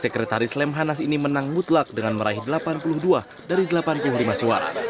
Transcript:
sekretaris lemhanas ini menang mutlak dengan meraih delapan puluh dua dari delapan puluh lima suara